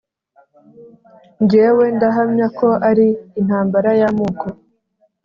n jyewe ndahamya ko ari intambara y’amoko,